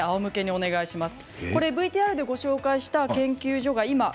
お願いします。